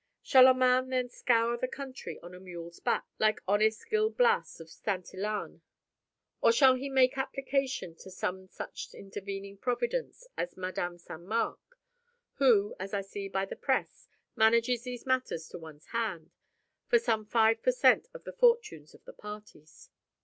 Shall a man then scour the country on a mule's back, like honest Gil Blas of Santillane? or shall he make application to some such intervening providence as Madame St. Marc, who, as I see by the Presse, manages these matters to one's hand, for some five per cent on the fortunes of the parties?